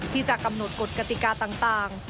ที่จะกำหนดกฎกติกาต่าง